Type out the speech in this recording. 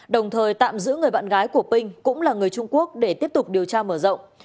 đồng thời tạm giữ người bạn gái của pinh cũng là người trung quốc để tiếp tục điều tra mở rộng